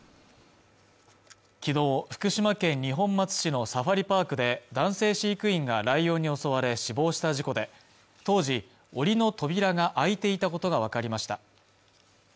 昨日福島県二本松市のサファリパークで男性飼育員がライオンに襲われ死亡した事故で当時檻の扉が開いていたことが分かりました